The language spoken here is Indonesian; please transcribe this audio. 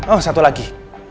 oh satu lagi